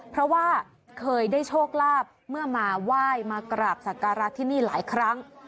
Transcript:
เพราะว่าเคยได้โชคลาภเมื่อมาไหว้มากราบสักการะที่นี่หลายครั้ง